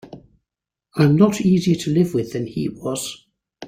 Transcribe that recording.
I'm not easier to live with than he was.